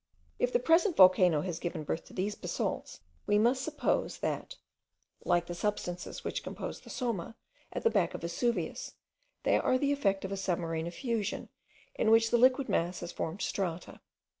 If the present volcano has given birth to these basalts, we must suppose, that, like the substances which compose the Somma, at the back of Vesuvius, they are the effect of a submarine effusion, in which the liquid mass has formed strata.